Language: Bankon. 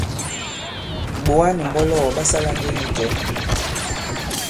Kìɓòga nì mbɔlɔgɔ̀ ɓa sālā ndi inyū cɛ̄ ?